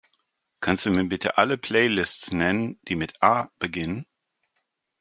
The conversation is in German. Kannst Du mir bitte alle Playlists nennen, die mit A beginnen?